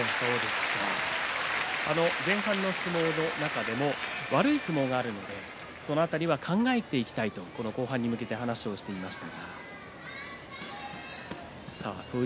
前の、あの相撲の中でも悪い相撲があるのでその辺りは考えていきたいと後半に向けて話をしていました